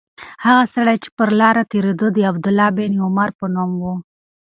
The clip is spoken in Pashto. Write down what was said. هغه سړی چې پر لاره تېرېده د عبدالله بن عمر په نوم و.